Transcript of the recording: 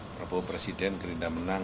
prabowo presiden gerinda menang